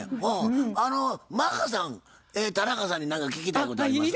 あのマッハさん田中さんに何か聞きたいことありましたら。